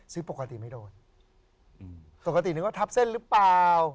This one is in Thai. ปกติไม่โดนอืมปกตินึกว่าทับเส้นหรือเปล่า